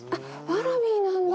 ワラビーなんだ。